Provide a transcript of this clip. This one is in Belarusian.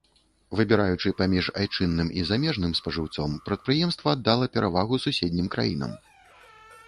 Выбіраючы паміж айчынным і замежным спажыўцом, прадпрыемства аддала перавагу суседнім краінам.